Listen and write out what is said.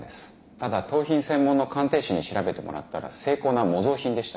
ただ盗品専門の鑑定士に調べてもらったら精巧な模造品でした。